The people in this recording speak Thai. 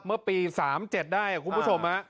เมื่อปี๓๗ได้คุณผู้ชม